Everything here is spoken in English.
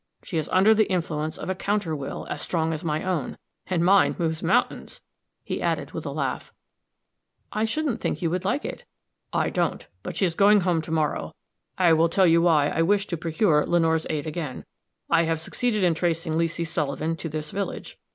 She is under the influence of a counter will, as strong as my own and mine moves mountains," he added, with a laugh. "I shouldn't think you would like it." "I don't; but she is going home to morrow. I will tell you why I wished to procure Lenore's aid again. I have succeeded in tracing Leesy Sullivan to this village.